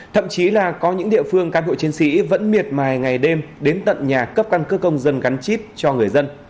thậm chí là có những địa phương cán bộ chiến sĩ vẫn miệt mài ngày đêm đến tận nhà cấp căn cước công dân gắn chip cho người dân